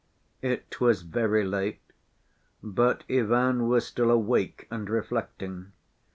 It was very late, but Ivan was still awake and reflecting.